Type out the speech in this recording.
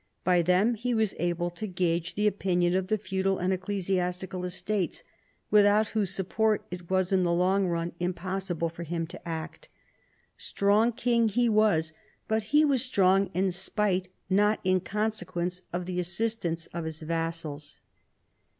By them he was able to gauge the opinion of the feudal and ecclesi astical estates, without whose support it was in the long run impossible for him to act. Strong king he was, but he was strong in spite not in consequence of the assist ance of his vassals.